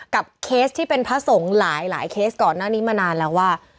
เคสที่เป็นพระสงฆ์หลายเคสก่อนหน้านี้มานานแล้วว่า